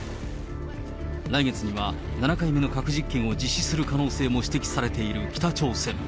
来月には７回目の核実験を実施する可能性も指摘されている北朝鮮。